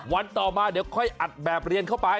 วันต่อมาเดี๋ยวค่อยอัดแบบเรียนเข้าไป